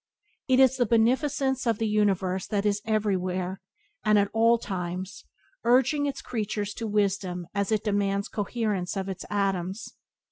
It is the beneficence of the universe that it is everywhere, and at all times, urging its creatures to wisdom as it demands coherence of its atoms.